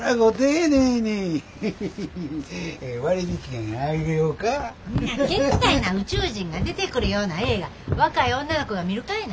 んなけったいな宇宙人が出てくるような映画若い女の子が見るかいな。